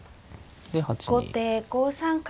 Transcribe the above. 後手５三角。